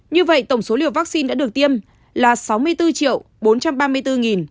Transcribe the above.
như vậy tổng số liều vaccine đã được tiêm là sáu mươi bốn bốn trăm ba mươi bốn một trăm tám mươi liều